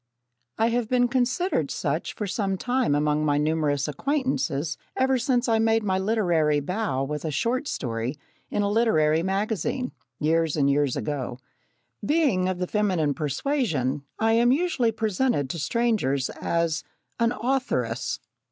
I have been considered such for some time among my numerous acquaintances ever since I made my literary bow with a short story in a literary magazine, years and years ago. Being of the feminine persuasion, I am usually presented to strangers as "an authoress."